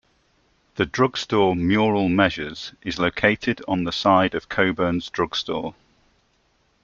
The Drug Store Mural measures and is located on the side of Cockburn's Drugstore.